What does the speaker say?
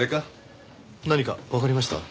何かわかりました？